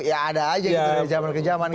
ya ada aja gitu dari zaman ke zaman